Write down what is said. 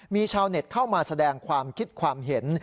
มีชาวเน็ตเข้ามาแสดงความคิดความเห็น